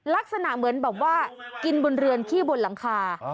ลักษณะเหมือนแบบว่ากินบนเรือนขี้บนหลังคา